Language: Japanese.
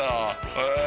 へえ。